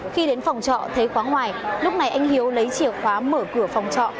khi đến phòng trọ thấy quán ngoài lúc này anh hiếu lấy chìa khóa mở cửa phòng trọ